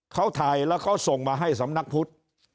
เขาถ่ายแล้วเขาส่งมาให้สำนักพุทธ